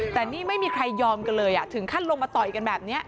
แต่นี่ไม่มีใครยอมกันเลยถึงขั้นลงมาต่อยกันแบบนี้